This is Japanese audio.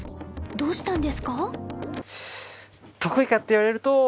どうしたんですか？